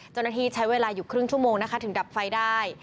จนทีใช้เวลาอยู่ครึ่งชั่วโมงถึงดับไฟได้